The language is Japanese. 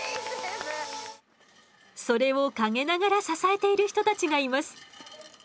それを陰ながら支えている人たちがいます。